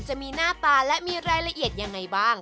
จะมีหน้าตาและมีรายละเอียดอย่างไรบ้าง